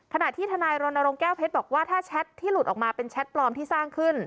ขณะที่ทนายรณรงค์แก้วเพชรบอกว่าถ้าแชทที่หลุดออกมาเป็นแชทปลอมที่สร้างขึ้น